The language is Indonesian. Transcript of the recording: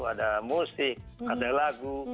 ada musik ada lagu